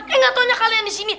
eh gatau nya kalian disini